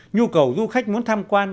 nhu cầu du khách muốn tham quan